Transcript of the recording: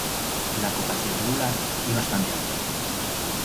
La copa es irregular y bastante amplia.